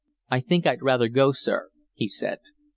"I think I'd rather go, sir," he said.